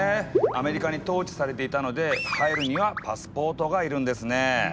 アメリカに統治されていたので入るにはパスポートが要るんですね。